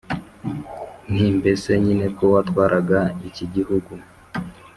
nti: “mbese nyine ko watwaraga iki gihugu